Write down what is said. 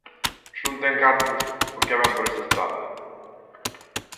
Se non ten cartos, por que vén por esta estrada?